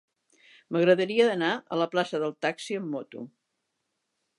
M'agradaria anar a la plaça del Taxi amb moto.